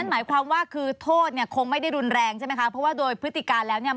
เนี้ยคงไม่ได้รุนแรงใช่ไหมคะเพราะว่าโดยผศกาแล้วเนี้ย